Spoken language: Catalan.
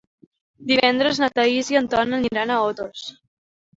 Divendres na Thaís i en Ton aniran a Otos.